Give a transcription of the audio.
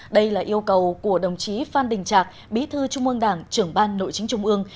đây là yêu cầu của đồng chí phan đình trạc bí thư trung ương đảng trưởng ban nội chính trung ương